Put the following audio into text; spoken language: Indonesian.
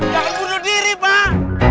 jangan bunuh diri pak